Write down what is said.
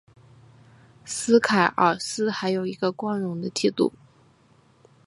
斯凯尔斯还有一个光荣的记录。